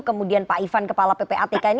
kemudian pak ivan kepala ppatk ini